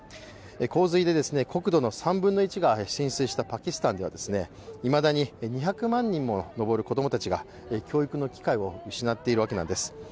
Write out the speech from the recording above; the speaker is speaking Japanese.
洪水で国土の３分の１が浸水したパキスタンではいまだに２００万人にも上る子供たちが教育の機会を失っているわけです。